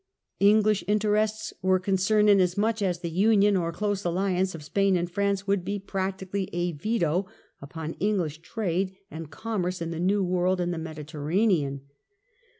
Eng Partition, lish interests were concerned, inasmuch as the '^* union or close alliance of Spain and France would be practically a veto upon English trade and com merce in the New World and the Mediterranean.